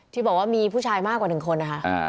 ที่บอกว่ามีผู้ชายมากกว่าหนึ่งคนนะฮะอ่า